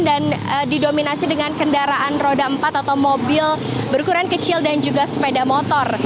dan didominasi dengan kendaraan roda empat atau mobil berukuran kecil dan juga sepeda motor